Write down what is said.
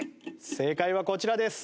正解はこちらです。